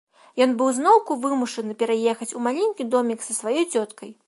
Ён быў зноўку вымушаны пераехаць у маленькі домік са сваёй цёткай.